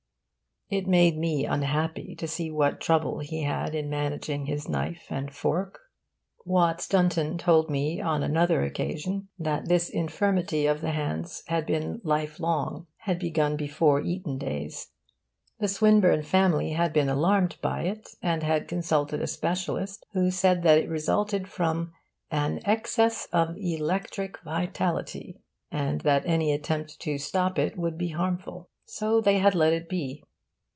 It made me unhappy to see what trouble he had in managing his knife and fork. Watts Dunton told me on another occasion that this infirmity of the hands had been lifelong had begun before Eton days. The Swinburne family had been alarmed by it and had consulted a specialist, who said that it resulted from 'an excess of electric vitality,' and that any attempt to stop it would be harmful. So they had let it be.